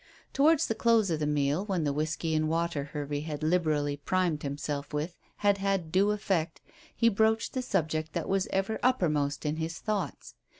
Towards the close of the meal, when the whisky and water Hervey had liberally primed himself with had had due effect, he broached the subject that was ever uppermost in his thoughts.